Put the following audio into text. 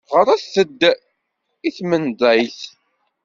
Ɣret-d i tmenḍayt.